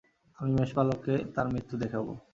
আমি মেষপালককে তার মৃত্যু দেখাবো।